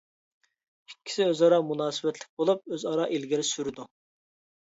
ئىككىسى ئۆزئارا مۇناسىۋەتلىك بولۇپ، ئۆزئارا ئىلگىرى سۈرىدۇ.